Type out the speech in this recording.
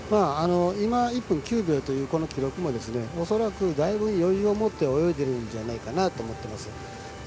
１分９秒というこの記録も恐らく、だいぶ余裕を持って泳いでいるんじゃないかなと思ってます。